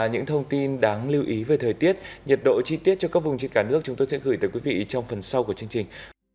những thông tin đáng lưu ý về thời tiết nhiệt độ chi tiết cho các vùng trên cả nước chúng tôi sẽ gửi tới quý vị trong phần sau của chương trình